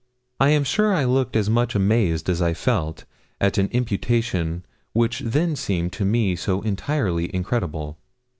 I am sure I looked as much amazed as I felt, at an imputation which then seemed to me so entirely incredible.